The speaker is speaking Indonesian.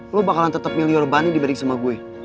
lo bakalan tetep milio lebani dibanding sama gue